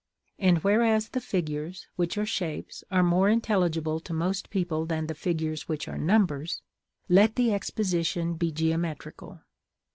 And whereas the figures, which are shapes, are more intelligible to most people than the figures which are numbers, let the exposition be geometrical.